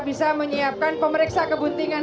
bisa menyiapkan pemeriksa kebuntingan